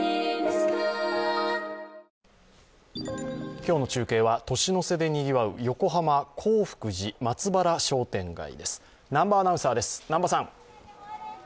今日の中継は年の瀬でにぎわう横浜洪福寺松原商店街です、南波アナウンサーです。